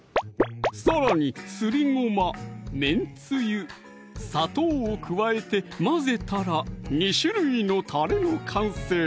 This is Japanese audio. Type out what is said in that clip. さらにすりごま・めんつゆ・砂糖を加えて混ぜたら２種類のたれの完成